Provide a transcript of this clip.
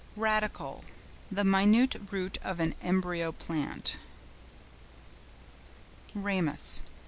RADICLE.—The minute root of an embryo plant. RAMUS.